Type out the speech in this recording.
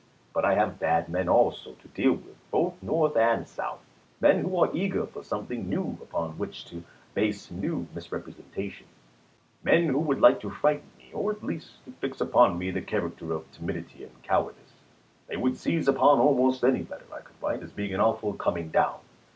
But I have bad men also to deal with, both North and QUESTIONS AND ANSWEES 279 which to base new misrepresentations ; men who would ch. xviii. like to frighten me, or at least to fix upon me the charac ter of timidity and cowardice. They would seize upon almost any letter I could write as being an " awful coming Lincoln to down."